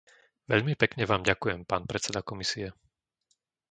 Veľmi pekne vám ďakujem, pán predseda komisie.